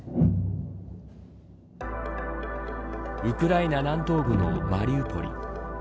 ウクライナ南東部のマリウポリ。